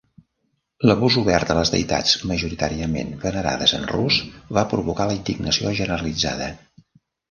L'abús obert de les deïtats majoritàriament venerades en Rus va provocar la indignació generalitzada.